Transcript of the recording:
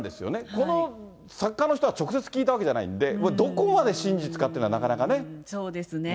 この作家の人は直接聞いたわけじゃないんで、どこまで真実かってそうですね。